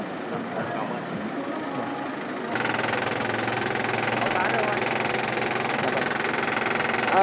anh đinh nhé